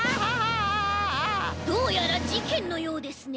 どうやらじけんのようですね。